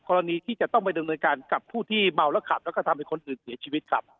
กรณีที่จะต้องไปดำเนินการกับผู้ที่เมาแล้วขับแล้วก็ทำให้คนอื่นเสียชีวิตครับ